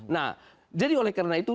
nah jadi oleh karena itu